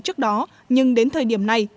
trước đó nhưng đến thời điểm này